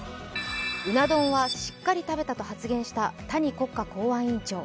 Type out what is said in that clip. うな丼はしっかり食べたと発言した谷国家公安委員長。